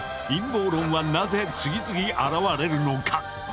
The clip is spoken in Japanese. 陰謀論はなぜ次々現れるのか。